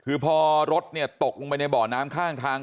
คือพอรถตกลงไปในบ่อน้ำข้างทาง